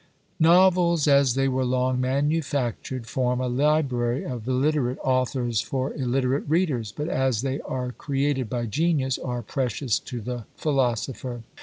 NOVELS, as they were long manufactured, form a library of illiterate authors for illiterate readers; but as they are created by genius, are precious to the philosopher.